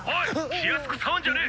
気安く触んじゃねえ！